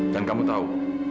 dan kamu tahu